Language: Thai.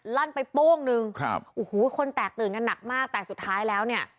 ลั่นไปโป้งหนึ่งครับโอ้โหคนแตกตื่นกันหนักมากแต่สุดท้ายแล้วเนี่ย